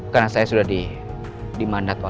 karena saya sudah dimandat wali